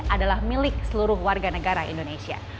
adalah milik seluruh warga negara indonesia